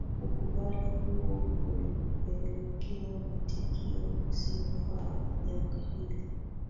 ukubali huo ulipelekea mwitikio usiyofaa wa janga hili